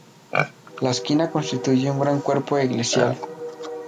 La esquina constituye un gran cuerpo eclesial.